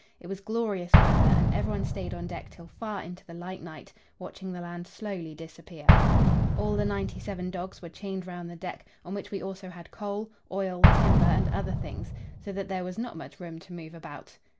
It was glorious weather, and everyone stayed on deck till far into the light night, watching the land slowly disappear. All the ninety seven dogs were chained round the deck, on which we also had coal, oil, timber and other things, so that there was not much room to move about.